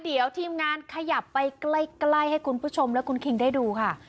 เดี๋ยวทีมงานขยับไปใกล้ให้คุณผู้ชมและคุณคิงได้ดูค่ะ